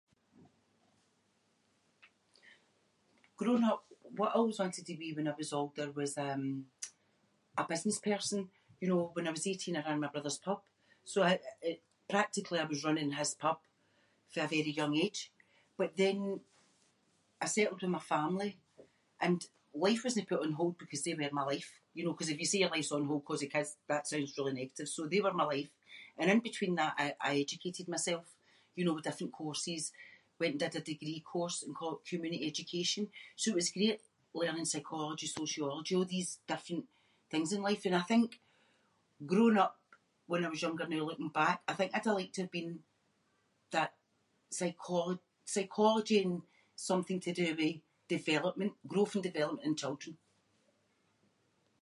Growing up, what I always wanted to be when I was older was, um, a business person. You know, when I was eighteen I ran my brother’s pub, so I- practically I was running his pub fae a very young age. But then I settled with my family, and life wasnae put on hold because they were my life, you know, ‘cause if you say your life’s on hold ‘cause of kids that sounds really negative, so they were my life. And in between that I- I educated myself, you know, with different courses, went and did a degree course in co-community education. So it was great learning psychology, sociology, a' these different things in life and I think growing up when I was younger noo looking back, I think I’d like to have been that pyscholo- psychology and something to do with development, growth and development in children.